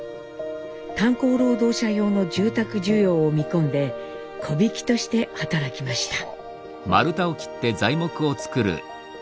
炭鉱労働者用の住宅需要を見込んで木びきとして働きました。